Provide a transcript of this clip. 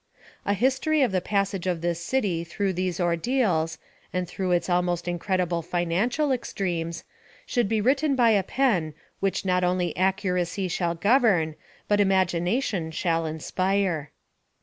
A history of the passage of this city through those ordeals, and through its almost incredible financial extremes, should be written by a pen which not only accuracy shall govern, but imagination shall inspire.